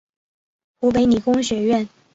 湖北理工学院